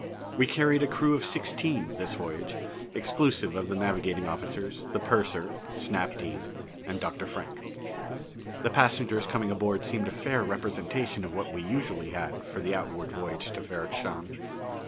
We carried a crew of sixteen, this voyage, exclusive of the navigating officers, the purser, Snap Dean, and Dr. Frank. The passengers coming aboard seemed a fair representation of what we usually had for the outward voyage to Ferrok Shahn.